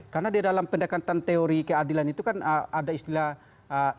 karena di dalam pendekatan teori keadilan itu kan ada istilah internet